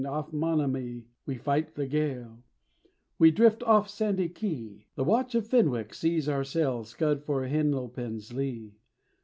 Off Monomoy we fight the gale, We drift off Sandy Key; The watch of Fenwick sees our sail Scud for Henlopen's lee.